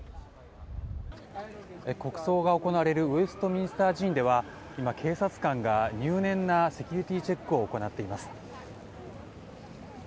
国葬が行われるウェストミンスター寺院では今、警察官が入念なセキュリティーチェックを行っています。